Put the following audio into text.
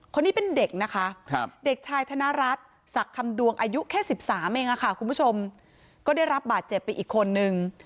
คนนี้เป็นเด็กนะคะเด็กชายธนรัฐศักดิ์คำดวงอายุแค่๑๓เองค่ะคุณผู้ชมก็ได้รับบาดเจ็บไปอีกคนนึง